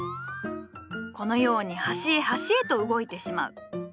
このように端へ端へと動いてしまう。